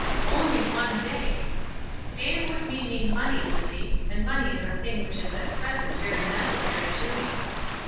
"Only one day!" "Days with me mean money, Lizzie, and money is a thing which is at present very necessary to me."